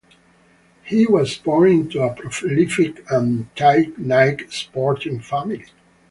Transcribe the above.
He was born into a prolific and tight-knit sporting family.